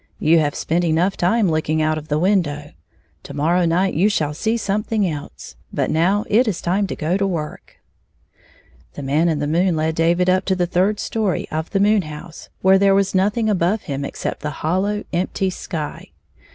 You have spent enough time looking out of the window. To morrow night you shall see something else, but now it is time to go to work." Then the Man in the moon led David up to the third story of the moon house, where there was nothing above him except the hollow, empty sky.